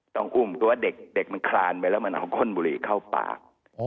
ต้องอุ้มตัวเด็กมันคลานไปแล้วมันเอาก้นบุหรี่เข้าปาก